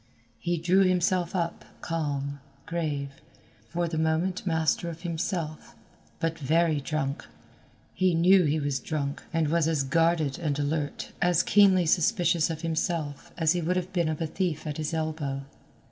He drew himself up, calm, grave, for the moment master of himself, but very drunk. He knew he was drunk, and was as guarded and alert, as keenly suspicious of himself as he would have been of a thief at his elbow.